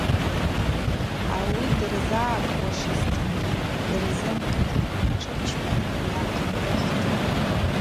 Ауи дырзыгӏакӏуашызтынгьи дырзымкӏ тшырчпан йгӏахъынхӏвыхтӏ.